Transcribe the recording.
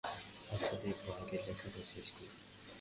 আচ্ছা দেখাব, আগে লেখাটা শেষ করি।